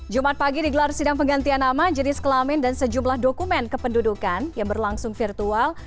jumat pagi digelar sidang penggantian nama jenis kelamin dan sejumlah dokumen kependudukan yang berlangsung virtual